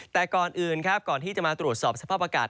แต่ก่อนอื่นครับก่อนที่จะมาตรวจสอบสภาพอากาศ